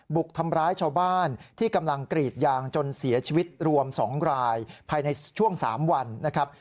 บุกทำร้ายชาวบ้านที่กำลังกรีดยางจนเสียชีวิตรวม๒รายภายในช่วง๓วันนะครับ